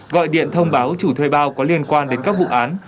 gọi điện thông báo chủ thuê bao có liên quan đến các vụ án